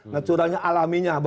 nah curangnya alaminya